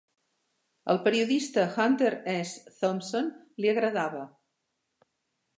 Al periodista Hunter S. Thompson li agradava.